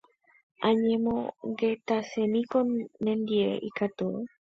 Añemongetasemíniko nendive ikatúrõ